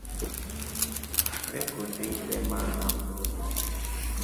Vee kundi itema namburu.